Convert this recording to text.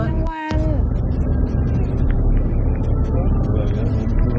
กลางวัน